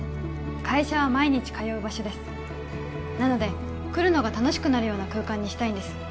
会社は毎日通う場所ですなので来るのが楽しくなるような空間にしたいんです